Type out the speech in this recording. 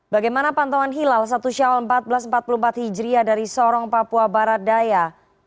bagaimana pantauan hilal satu syawal seribu empat ratus empat puluh empat hijriah dari sorong papua barat daya